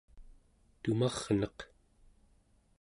tumarneq